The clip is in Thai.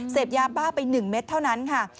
เสพยาบ้าไป๑เม็ดเท่านั้นค่ะ